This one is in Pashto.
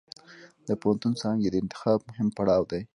د پوهنتون څانګې د انتخاب مهم پړاو دی.